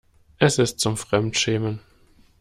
Es ist zum Fremdschämen.